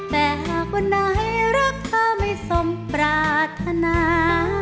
แต่หากวันไหนรักเธอไม่สมปรารถนา